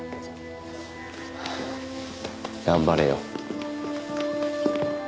頑張れよ。